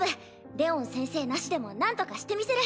レオン先生なしでもなんとかしてみせる！